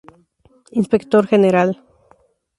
Inspector General.